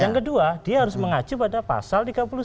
yang kedua dia harus mengacu pada pasal tiga puluh satu